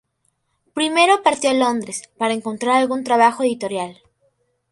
Primero partió a Londres para encontrar algún trabajo editorial.